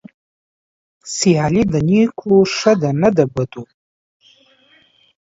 سيالي د نيکو ښه ده نه د بدو.